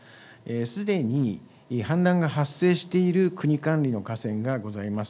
すでに氾濫が発生している国管理の河川がございます。